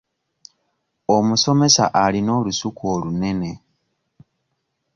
Omusomesa alina olusuku olunene.